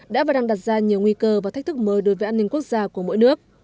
đã và đang đặt ra nhiều nguy cơ và thách thức mới đối với an ninh quốc gia của mỗi nước